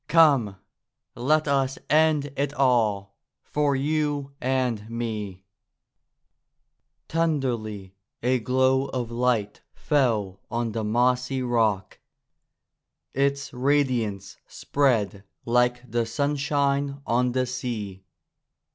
Come, let us end it all, for you and me !'^ Tenderly a glow of light fell on the mossy rock. Its radiance spread like the sunshine on the sea.